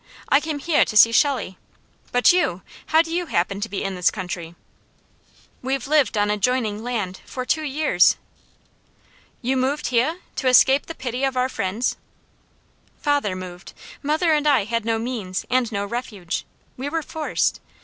I came heah to see Shelley. But you? How do you happen to be in this country?" "We've lived on adjoining land for two years!" "You moved heah! To escape the pity of our friends?" "Father moved! Mother and I had no means, and no refuge. We were forced.